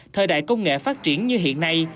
thời đại công nghệ phát triển như hiện nay